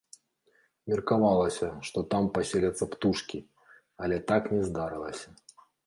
Меркавалася, што там паселяцца птушкі, але так не здарылася.